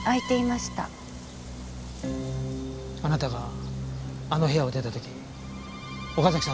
あなたがあの部屋を出た時岡崎さん